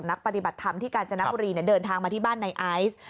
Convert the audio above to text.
นักปฏิบัติธรรมที่กาญจนบุรีเดินทางมาที่บ้านในไอซ์